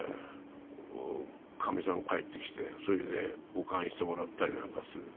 かみさん帰ってきてそれでお燗してもらったりなんかする。